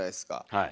はい。